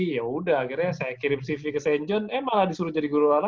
ya udah akhirnya saya kirim cv ke st jone eh malah disuruh jadi guru anak